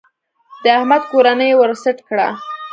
د احمد کورنۍ يې ور سټ کړه.